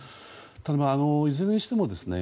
ただ、いずれにしてもですね